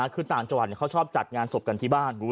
คือต่างจังหวัดเขาชอบจัดงานศพกันที่บ้าน